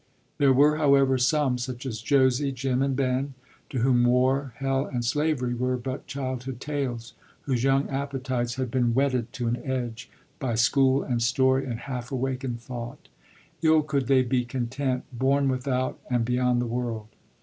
There were, however, some such as Josie, Jim and Ben to whom War, Hell, and Slavery were but childhood tales, whose young appetites had been whetted to an edge by school and story and half awakened thought. Ill could they be content, born without and beyond the World.